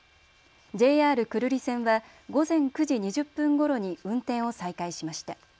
ＪＲ久留里線は午前９時２０分ごろに運転を再開しました。